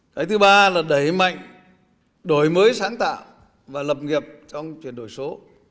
cái thứ ba là đẩy mạnh đổi mới sáng tạo và lập nghiệp trong chuyển đổi số